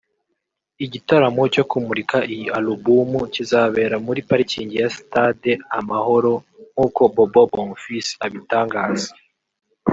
Igitaramo cyo kumurika iyi alubumu kizabera muri parikingi ya Stade amahoro nk’uko Bobo Bonfils abitangaza